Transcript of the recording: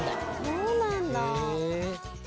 そうなんだ。